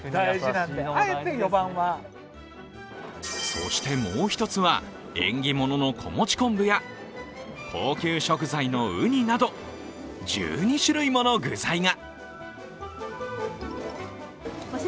そしてもう１つは縁起物の子持ち昆布や高級食材のうになど１２種類もの具材が。